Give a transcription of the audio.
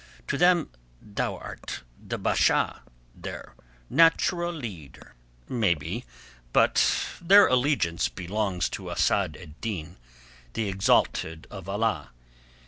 To them thou art the Basha, their natural leader." "Maybe. But their allegiance belongs to Asad ed Din, the exalted of Allah.